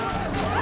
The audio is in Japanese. あ！